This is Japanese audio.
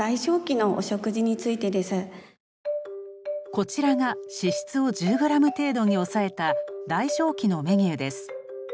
こちらが脂質を１０ｇ程度に抑えた代償期のメニューです。